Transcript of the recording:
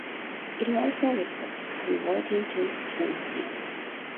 It also refers to converting to Hinduism.